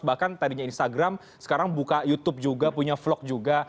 bahkan tadinya instagram sekarang buka youtube juga punya vlog juga